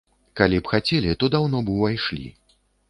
Калі б хацелі, то даўно б ўвайшлі.